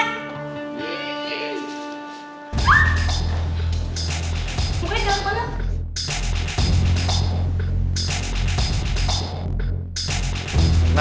gue jalan ke mana